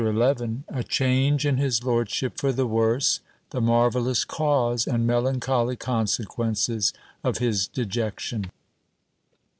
— A change in his lordship for the worse. The marvellous cause, and melancholy consequences, of his dejection.